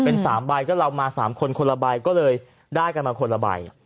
เป็น๓ใบก็เรามา๓คนคนละใบก็เลยได้กันมาคนละใบ